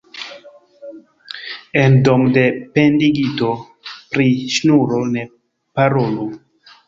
En dom' de pendigito pri ŝnuro ne parolu.